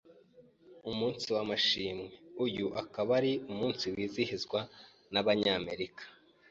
umunsi w’amashimwe. Uyu akaba ari umunsi wizihizwa n’abanyamerika